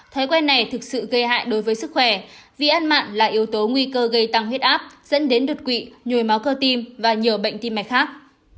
thói quen này thực sự gây hại đối với sức khỏe vì ăn mặn là yếu tố nguy cơ gây tăng huyết áp dẫn đến đột quỵ nhồi máu cơ tim và nhiều bệnh tim mạch khác